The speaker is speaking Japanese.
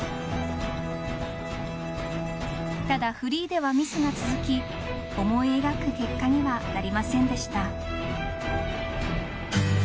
ただフリーではミスが続き思い描く結果にはなりませんでした。